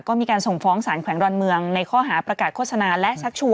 ก็มีการส่งฟ้องสารแขวงร้อนเมืองในข้อหาประกาศโฆษณา